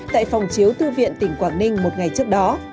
tại phòng chiếu thư viện tỉnh quảng ninh một ngày trước đó